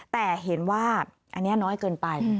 แต่เห็นว่าอันนี้น้อยเกินไป